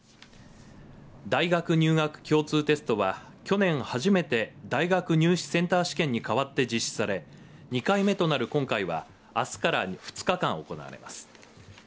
大学入学共通テストは去年、初めて大学入試センター試験に代わって実施され２回目となる今回はあすから２日間行われます。